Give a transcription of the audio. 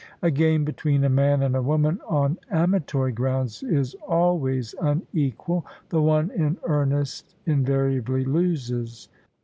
A game between a man and a woman, on amatory grounds, is always unequal. The one in earnest invariably loses.